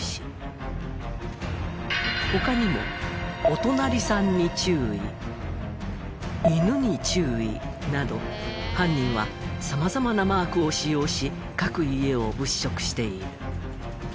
他にも「お隣さんに注意」「犬に注意」など犯人は様々なマークを使用し各家を物色している。